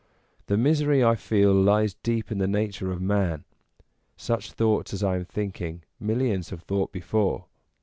The misery I feel lies deep in the nature of man ; such thoughts as I am thinking, millions have thought before.